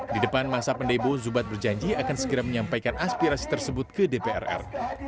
di depan masa pendebo zubad berjanji akan segera menyampaikan aspirasi tersebut ke dprr